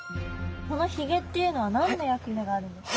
このヒゲっていうのは何の役目があるんですか？